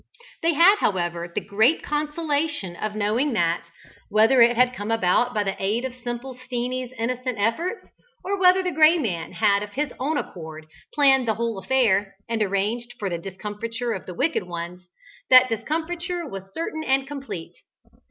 They had, however, the great consolation of knowing that, whether it had come about by the aid of "Simple Steenie's" innocent efforts, or whether the Gray Man had of his own accord planned the whole affair, and arranged for the discomfiture of the wicked ones, that discomfiture was certain and complete.